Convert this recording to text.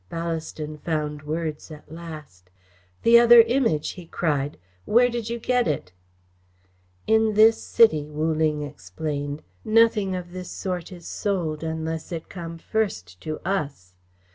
Ballaston found words at last. "The other Image!" he cried. "Where did you get it?" "In this city," Wu Ling explained, "nothing of this sort is sold unless it come first to us.